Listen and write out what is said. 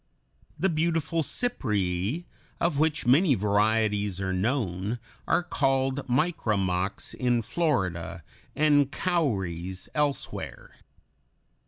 The beautiful Cypræa (Fig. 105), of which many varieties are known, are called micramocks in Florida, and cowries elsewhere.